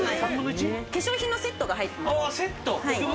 化粧品のセットが入っています。